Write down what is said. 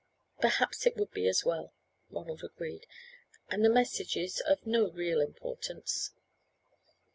"Perhaps it would be as well," Ronald agreed; "and the message is of no real importance."